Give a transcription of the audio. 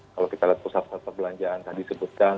kalau kita lihat pusat pusat perbelanjaan tadi sebutkan